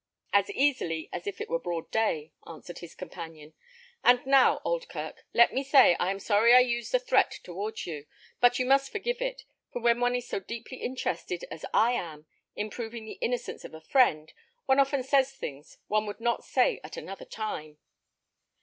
"As easily as if it were broad day," answered his companion. "And now, Oldkirk, let me say, I am sorry I used a threat towards you; but you must forgive it; for when one is so deeply interested as I am in proving the innocence of a friend, one often says things one would not say at another time."